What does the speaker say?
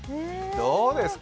どうですか！